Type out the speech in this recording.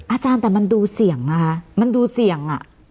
อาจารย์แต่มันดูเสี่ยงนะคะมันดูเสี่ยงอ่ะ